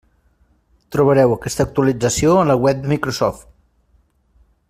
Trobareu aquesta actualització a la web de Microsoft.